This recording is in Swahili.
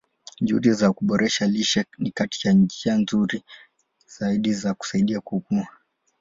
Juhudi za kuboresha lishe ni kati ya njia nzuri zaidi za kusaidia kukua.